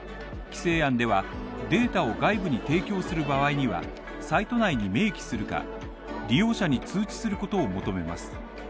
規制案では、データを外部に提供する場合には、サイト内に明記するか利用者に通知することを求めます。